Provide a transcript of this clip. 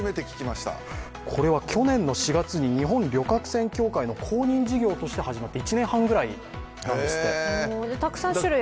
これは去年４月に日本旅客船協会の公認事業として始まって、１年半くらいなんですって。